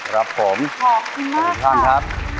รับผมขอตีธานครับค่ะขอบคุณมากค่ะ